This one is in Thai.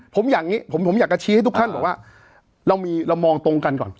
ผมอยากงี้ผมผมอยากจะชี้ให้ทุกคนว่าเรามีเรามองตรงกันก่อน